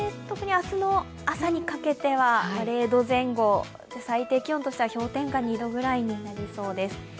特に明日の朝にかけては、０度前後、最低気温としては氷点下２度ぐらいになりそうです。